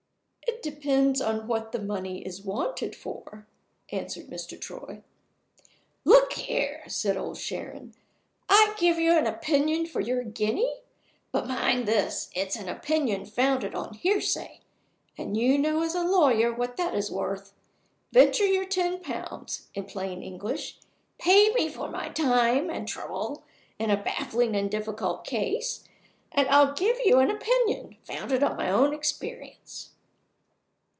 "It depends on what the money is wanted for," answered Mr. Troy. "Look here," said Old Sharon; "I give you an opinion for your guinea; but, mind this, it's an opinion founded on hearsay and you know as a lawyer what that is worth. Venture your ten pounds in plain English, pay me for my time and trouble in a baffling and difficult case and I'll give you an opinion founded on my own experience."